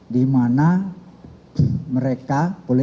di mana mereka